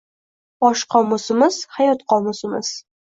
Bosh qomusimiz – hayot qomusimiz